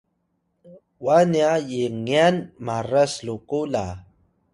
wa nya yngyan maras ruku la